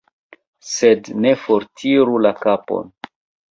Sed ne fortiru la kapon.